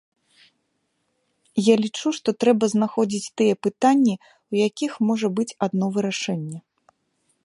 Я лічу, што трэба знаходзіць тыя пытанні, у якіх можа быць адно вырашэнне.